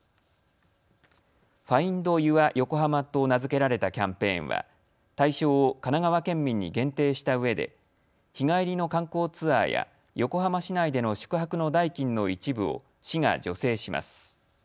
ＦｉｎｄＹｏｕｒＹＯＫＯＨＡＭＡと名付けられたキャンペーンは対象を神奈川県民に限定したうえで日帰りの観光ツアーや横浜市内での宿泊の代金の一部を市が助成します。